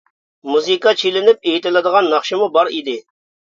مۇزىكا چېلىنىپ، ئېيتىلىدىغان ناخشىمۇ بار ئىدى.